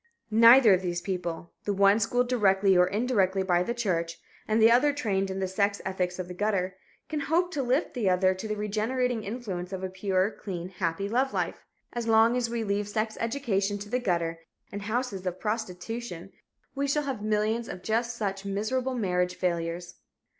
Neither of these people the one schooled directly or indirectly by the church and the other trained in the sex ethics of the gutter can hope to lift the other to the regenerating influences of a pure, clean, happy love life. As long as we leave sex education to the gutter and houses of prostitution, we shall have millions of just such miserable marriage failures.